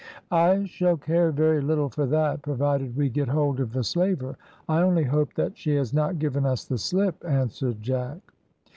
"I shall care very little for that, provided we get hold of the slaver. I only hope that she has not given us the slip," answered Jack.